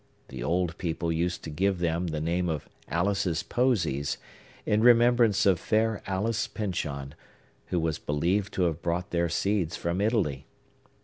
The old people used to give them the name of Alice's Posies, in remembrance of fair Alice Pyncheon, who was believed to have brought their seeds from Italy.